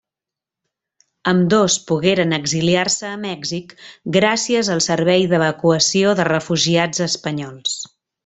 Ambdós pogueren exiliar-se a Mèxic gràcies al Servei d'Evacuació de Refugiats Espanyols.